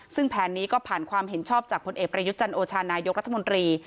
ซึ่งแผนนี้ก็ผ่านความเห็นชอบจากผลเอกประยุทธ์จันโอชานายกรัฐมนตรี